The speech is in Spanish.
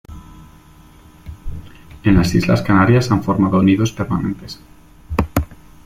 En las Islas Canarias han formado nidos permanentes.